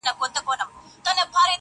• نقادان يې بېلابېل تحليلونه کوي تل,